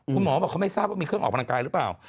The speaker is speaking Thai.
คุณหมอบอกเขาไม่ทราบว่ามีเครื่องออกกำลังกายหรือเปล่า